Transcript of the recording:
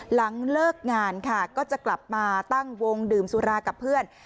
หลังเลิกงานค่ะก็จะกลับมาตั้งวงดื่มสุรากับเพื่อน